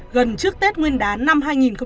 gần trước tết nguyên đán năm hai nghìn hai mươi